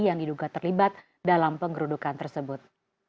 yang diduga terlibat dalam penggerudukan tersebut